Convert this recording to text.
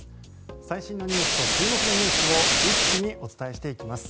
最新ニュースと注目ニュースを一気にお伝えします。